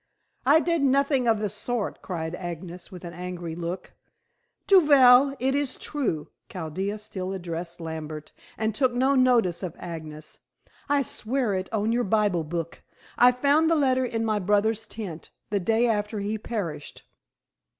"I did nothing of the sort," cried Agnes, with an angry look. "Duvel, it is true." Chaldea still addressed Lambert, and took no notice of Agnes. "I swear it on your Bible book. I found the letter in my brother's tent, the day after he perished.